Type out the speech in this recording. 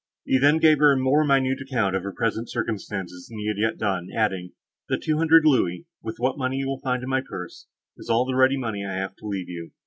He then gave her a more minute account of his present circumstances than he had yet done, adding, "The two hundred louis, with what money you will now find in my purse, is all the ready money I have to leave you.